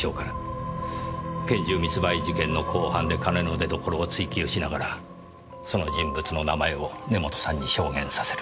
拳銃密売事件の公判で金の出所を追及しながらその人物の名前を根元さんに証言させる。